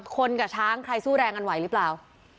กับช้างใครสู้แรงกันไหวหรือเปล่า